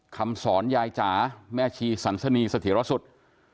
คำสอนยายจ๋าแม่ชีสันสนีเสถียรสุทธิ์